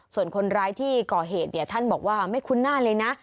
ส่วนคนร้ายที่ก่อเหตุเนี่ยท่านบอกว่าไม่คุ้นหน้าเลยนะ